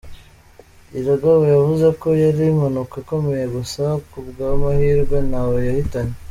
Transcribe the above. Iragaba yavuze ko yari impanuka ikomeye gusa kubw’amahirwe ntawe yahitanye.